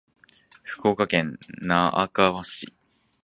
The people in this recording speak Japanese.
福岡県那珂川市